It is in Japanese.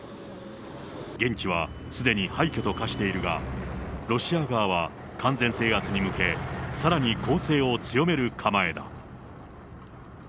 現地はすでに廃虚と化しているが、ロシア側は、完全制圧に向け、さらに攻勢を強める構えだ。